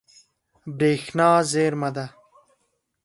برېښنا زیرمه ده.